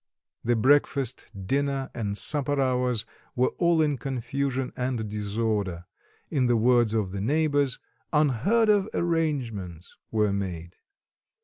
The breakfast, dinner, and supper hours were all in confusion and disorder; in the words of the neighbours, "unheard of arrangements" were made.